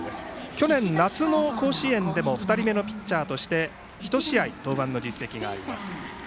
去年夏の甲子園でも２人目のピッチャーとして一試合登板の実績があります。